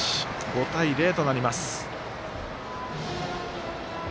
５対０となります。